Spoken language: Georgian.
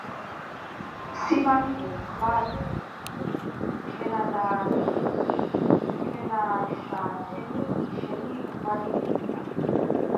სიმართლე ზღვას ქენაჸათენი იშენი ვადინუნია